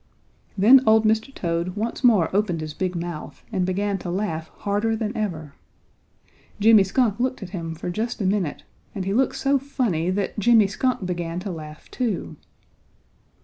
Then old Mr. Toad once more opened his big mouth and began to laugh harder than ever. Jimmy Skunk looked at him for just a minute and he looked so funny that Jimmy Skunk began to laugh too.